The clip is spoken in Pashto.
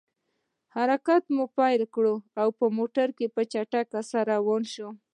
په حرکت مو پیل وکړ، او موټر په چټکۍ سره روان شو.